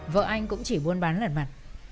vợ anh cũng chỉ buôn bán lần mặt